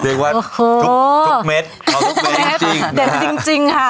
เรียกว่าโอ้โฮทุกทุกเม็ดทุกเม็ดจริงนะคะเด็ดจริงจริงค่ะ